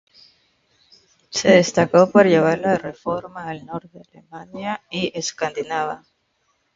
Se destacó por llevar la reforma al norte de Alemania y Escandinavia.